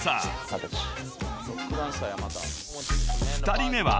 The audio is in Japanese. ［２人目は］